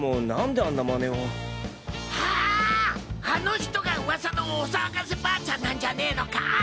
あの人がウワサのお騒がせ婆ちゃんなんじゃねのか！？